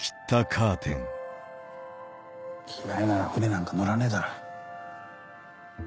嫌いなら船なんか乗らねえだろ。